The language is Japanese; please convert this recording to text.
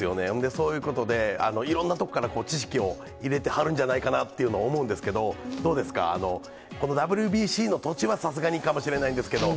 そういうことで、いろんなところから知識を入れてはるんじゃないかなというのを思うんですけど、どうですか、このＷＢＣの途中はさすがに無理かもしれないですけど、